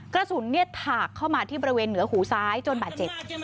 กระสุนถากเข้ามาที่บริเวณเหนือหูซ้ายจนบาดเจ็บ